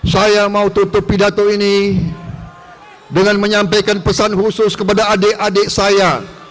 saya mau tutup pidato ini dengan menyampaikan pesan khusus kepada adik adik saya